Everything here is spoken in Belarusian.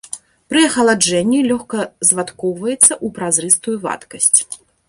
Пры ахаладжэнні лёгка звадкоўваецца ў празрыстую вадкасць.